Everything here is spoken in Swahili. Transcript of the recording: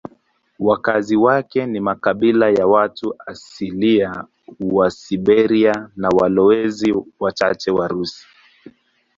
Wakazi wake ni makabila ya watu asilia wa Siberia na walowezi wachache Warusi.